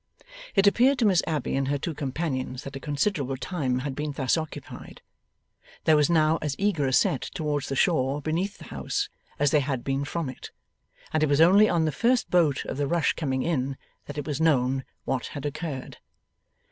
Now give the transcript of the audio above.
It appeared to Miss Abbey and her two companions that a considerable time had been thus occupied. There was now as eager a set towards the shore beneath the house as there had been from it; and it was only on the first boat of the rush coming in that it was known what had occurred.